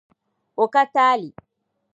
o ka taali